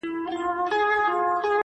او خپل وخت تېروي